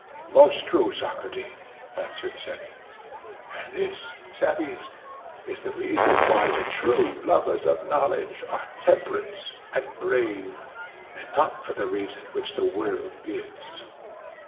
Most true, Socrates, answered Cebes. And this, Cebes, is the reason why the true lovers of knowledge are temperate and brave; and not for the reason which the world gives.